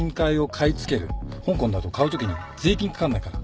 香港だと買うときに税金掛かんないから。